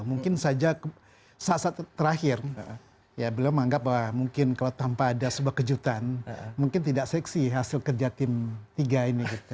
mungkin saja saat saat terakhir ya beliau menganggap bahwa mungkin kalau tanpa ada sebuah kejutan mungkin tidak seksi hasil kerja tim tiga ini